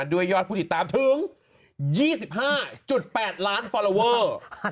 ยอดผู้ติดตามถึง๒๕๘ล้านฟอลลอเวอร์